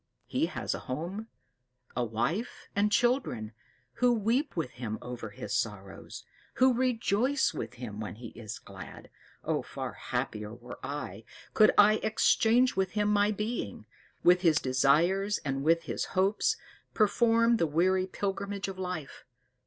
He has a home, a wife, and children, who weep with him over his sorrows, who rejoice with him when he is glad. Oh, far happier were I, could I exchange with him my being with his desires and with his hopes perform the weary pilgrimage of life!